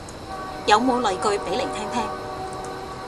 有冇例句俾嚟聽聽